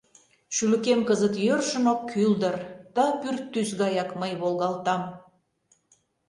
Шӱлыкем кызыт йӧршын ок кӱл дыр — ты пӱртӱс гаяк мый волгалтам.